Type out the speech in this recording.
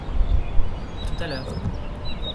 A tout à l'heure.